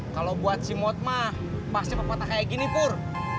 kalau buat si motma pasti pepatah kayak gini pur